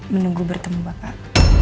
menunggu bertemu bapak